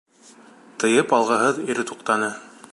Тыйып алғыһыҙ ир туҡтаны.